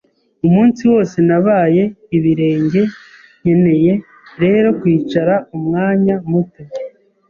Umunsi wose nabaye ibirenge, nkeneye rero kwicara umwanya muto.